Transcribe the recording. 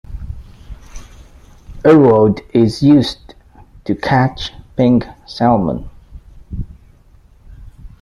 A rod is used to catch pink salmon.